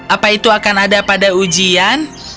apa itu akan ada pada ujian